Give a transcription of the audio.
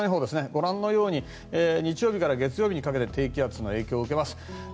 ご覧のように日曜日から月曜日にかけて低気圧の影響を受けます。